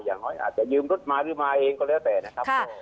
อย่างน้อยอาจจะยืมรถมาหรือมาเองก็แล้วแต่นะครับ